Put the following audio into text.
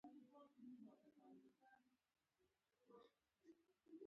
ایران کې خپل کار ته دوام ورکړي.